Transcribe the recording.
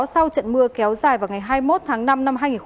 sau trận mưa kéo dài vào ngày hai mươi một tháng năm năm hai nghìn một mươi tám